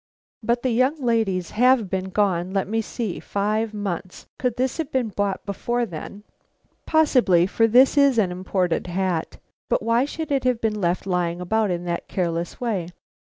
"But the young ladies have been gone let me see five months. Could this have been bought before then?" "Possibly, for this is an imported hat. But why should it have been left lying about in that careless way?